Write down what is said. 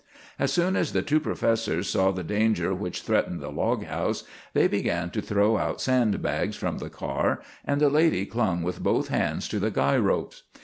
As soon as the two professors saw the danger which threatened the log house, they began to throw out sand bags from the car, and the lady clung with both hands to the guy ropes.